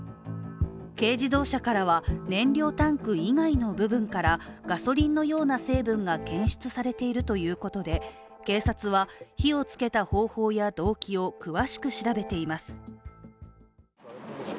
軽自動車からは、燃料タンク以外の部分からガソリンのような成分が検出されているということで警察は火をつけた方法や動機を詳しく調べています。